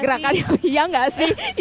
gerakan yang biar gak sih